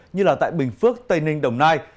như tại bình phước tây ninh đồng nai